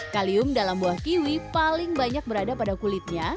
kalium dalam buah kiwi paling banyak berada pada kulitnya